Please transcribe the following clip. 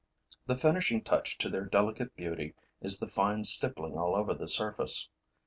The finishing touch to their delicate beauty is the fine stippling all over the surface.